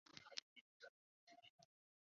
别名是直景。